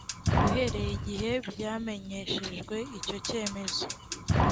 uhereye igihe byamenyeshejwe icyo cyemezo